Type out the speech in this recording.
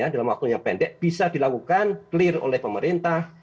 dalam waktu yang pendek bisa dilakukan clear oleh pemerintah